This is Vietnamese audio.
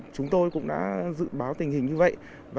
chúng tôi cũng đã dự báo tình hình như vậy